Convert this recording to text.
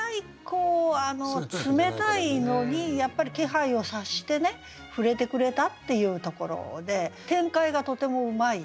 こう冷たいのにやっぱり気配を察してねふれてくれたっていうところで展開がとてもうまい。